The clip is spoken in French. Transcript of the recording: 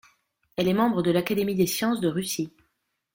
Elle est membre de l'Académie des sciences de Russie.